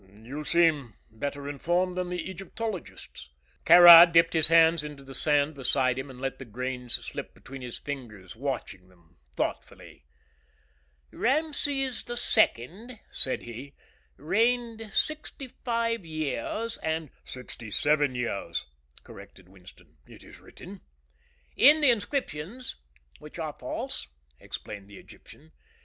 "You seem better informed than the Egyptologists!" Kāra dipped his hands into the sand beside him and let the grains slip between his fingers, watching them thoughtfully. "Rameses the Second," said he, "reigned sixty five years, and " "Sixty seven years," corrected Winston. "It is written." "In the inscriptions, which are false," explained the Egyptian.